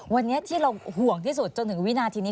วันนี้ที่เราห่วงที่สุดจนถึงวินาทีนี้